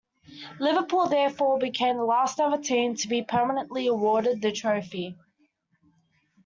Liverpool therefore became the last ever team to be permanently awarded the trophy.